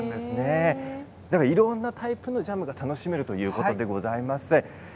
いろんなタイプのジャムが楽しめるということでございます。